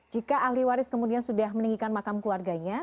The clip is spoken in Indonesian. jika ahli waris kemudian sudah meninggikan makam keluarganya